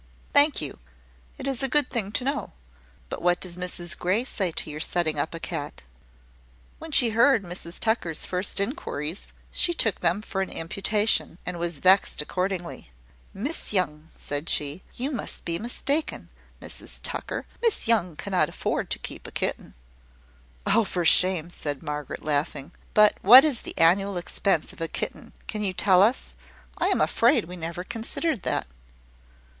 "Thank you, it is a good thing to know. But what does Mrs Grey say to your setting up a cat?" "When she heard Mrs Tucker's first inquiries, she took them for an imputation, and was vexed accordingly. `Miss Young!' said she, `You must be mistaken, Mrs Tucker. Miss Young cannot afford to keep a kitten!'" "Oh, for shame!" said Margaret, laughing. "But what is the annual expense of a kitten can you tell us? I am afraid we never considered that."